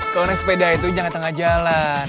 kalau naik sepeda itu jangan tengah jalan